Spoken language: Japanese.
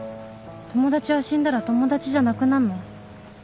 友達は死んだら友達じゃなくなんの？